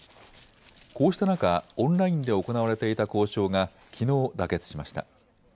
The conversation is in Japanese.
こうした中、オンラインで行われていた交渉がきのう妥結しました。